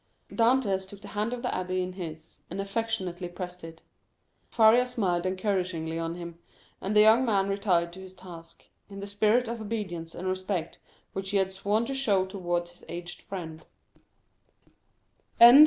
Dantès took the hand of the abbé in his, and affectionately pressed it. Faria smiled encouragingly on him, and the young man retired to his task, in the spirit of obedience and respect which he had sworn to show towards his aged friend.